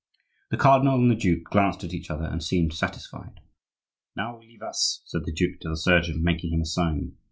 The cardinal and the duke glanced at each other and seemed satisfied. "Now leave us," said the duke to the surgeon, making him a sign.